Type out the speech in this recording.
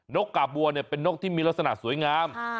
กกาบบัวเนี่ยเป็นนกที่มีลักษณะสวยงาม